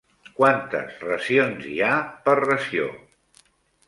Quantes racions hi ha per ració?